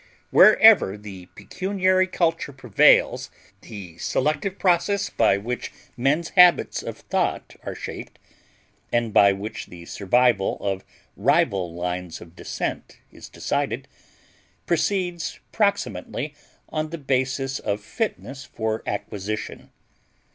Wherever the pecuniary culture prevails, the selective process by which men's habits of thought are shaped, and by which the survival of rival lines of descent is decided, proceeds proximately on the basis of fitness for acquisition.